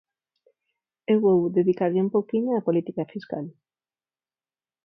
E vou dedicarlle un pouquiño á política fiscal.